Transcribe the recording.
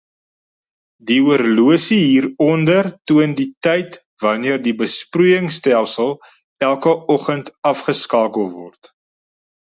Die horlosie hieronder toon die tyd wanneer die besproeiingstelsel elke oggend afgeskakel word.